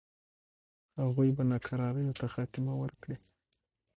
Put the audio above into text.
هغوی به ناکراریو ته خاتمه ورکړي.